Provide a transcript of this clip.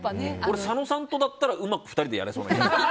佐野さんとだったらうまく２人でやれそうな気がする。